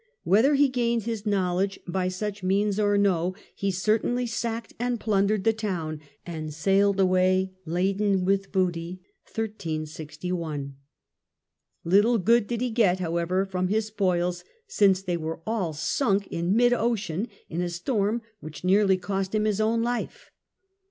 Whether he gained his knowledge by such^isby, means or no, he certainly sacked and plundered the town and sailed away laden with booty. Little good did he get, however, from his spoils, since they were all sunk in mid ocean, in a storm which nearly cost him his own life.